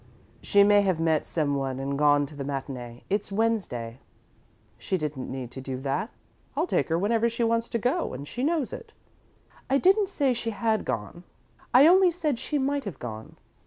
"She may have met someone and gone to the matinee. It's Wednesday." "She didn't need to do that. I'll take her whenever she wants to go and she knows it." "I didn't say she had gone I only said she might have gone.